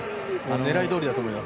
狙いどおりだと思います。